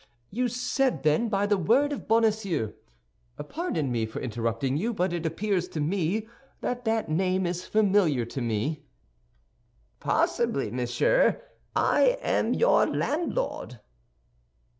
"You said, then, by the word of Bonacieux. Pardon me for interrupting you, but it appears to me that that name is familiar to me." "Possibly, monsieur. I am your landlord."